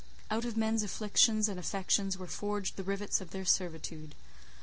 Out of men's afflictions and affections were forged the rivets of their servitude.